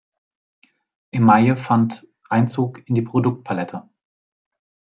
Emaille fand Einzug in die Produktpalette.